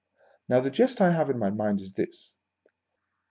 Now the jest I. have in my mind, is this.